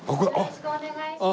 よろしくお願いします。